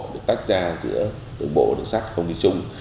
để tách ra giữa đường bộ đường sắt không đi chung